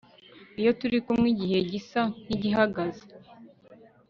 Iyo turi kumwe igihe gisa nkigihagaze